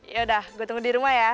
yaudah gue tunggu di rumah ya